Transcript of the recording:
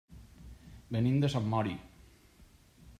Venim de Sant Mori.